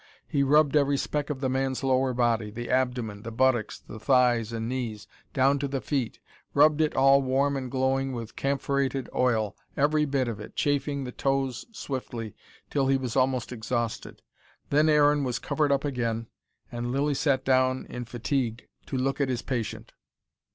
He rubbed every speck of the man's lower body the abdomen, the buttocks, the thighs and knees, down to the feet, rubbed it all warm and glowing with camphorated oil, every bit of it, chafing the toes swiftly, till he was almost exhausted. Then Aaron was covered up again, and Lilly sat down in fatigue to look at his patient.